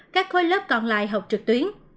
các khối lớp còn lại học trực tuyến